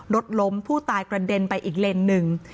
รถล้มผู้ตายกระเด็นไปอีกเลนหนึ่ง